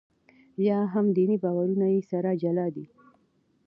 یا هم دیني باورونه یې سره جلا دي.